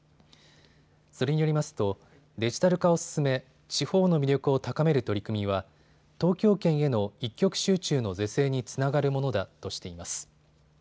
それによりますとデジタル化を進め、地方の魅力を高める取り組みは東京圏への一極集中の是正につながるものだとしています。